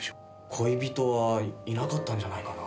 恋人はいなかったんじゃないかな。